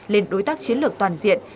lên đối tác chiến lược toàn diện